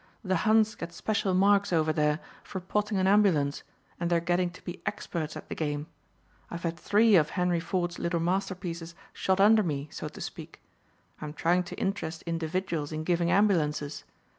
The Huns get special marks over there for potting an ambulance, and they're getting to be experts at the game. I've had three of Hen. Ford's little masterpieces shot under me, so to speak. I'm trying to interest individuals in giving ambulances.